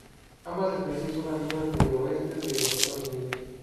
Ambas especies son nativas del oeste de los Estados Unidos.